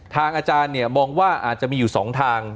ทางอาจารย์เนี่ยมองว่าอาจจะมีอยู่สองทาง